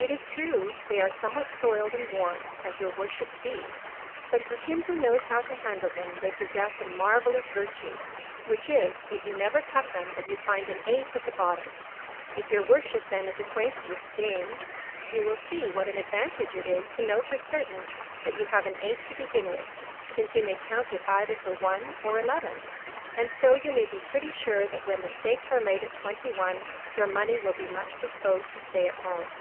It is true they are somewhat soiled and worn, as your worship sees; but for him who knows how to handle them, they possess a marvellous virtue, which is, that you never cut them but you find an ace at the bottom; if your worship then is acquainted with the game, you will see what an advantage it is to know for certain that you have an ace to begin with, since you may count it either for one or eleven; and so you may be pretty sure that when the stakes are laid at twenty one, your money will be much disposed to stay at home.